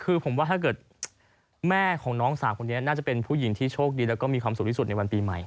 คือผมว่าถ้าเกิดแม่ของน้องสาวคนนี้น่าจะเป็นผู้หญิงที่โชคดีแล้วก็มีความสุขที่สุดในวันปีใหม่